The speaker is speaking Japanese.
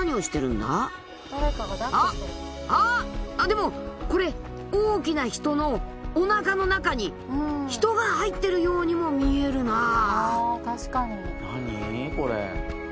でもこれ大きな人のおなかの中に人が入ってるようにも見えるなぁ。